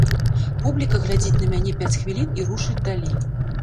Публіка глядзіць на мяне пяць хвілін і рушыць далей.